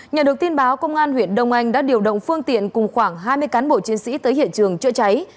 nhờ được tin báo công an huyện đông anh đã điều động phương tiện cùng khoảng hai mươi cán bộ chiến sĩ tới hiện trường chữa cháy